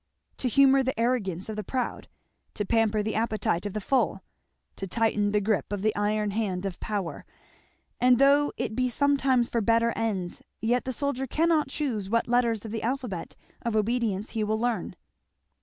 to humour the arrogance of the proud, to pamper the appetite of the full, to tighten the grip of the iron hand of power; and though it be sometimes for better ends, yet the soldier cannot choose what letters of the alphabet of obedience he will learn.